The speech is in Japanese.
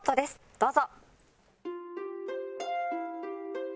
どうぞ。